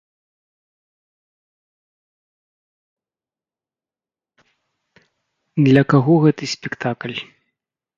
Для каго гэты спектакль?